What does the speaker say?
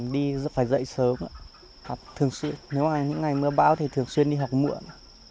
đi rất phải dậy sớm thường xuyên nếu mà những ngày mưa bão thì thường xuyên đi học muộn